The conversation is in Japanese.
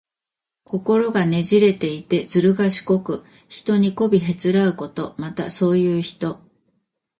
心がねじくれていて、ずるがしこく、人にこびへつらうこと。また、そういう人。